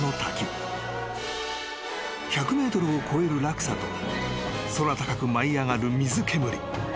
［１００ｍを超える落差と空高く舞い上がる水煙］